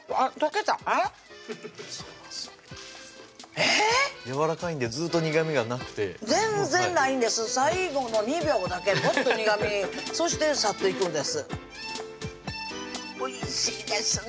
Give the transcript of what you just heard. えぇ⁉やわらかいんでずっと苦みがなくて全然ないんです最後の２秒だけふっと苦みそして去っていくんですおいしいですね